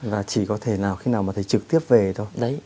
và chỉ có thể nào khi nào thầy trực tiếp về thôi